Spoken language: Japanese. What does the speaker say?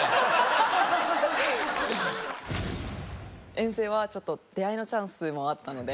遠征は出会いのチャンスでもあったので。